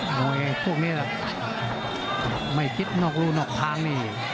มวยพวกนี้แหละไม่คิดนอกรู่นอกทางนี่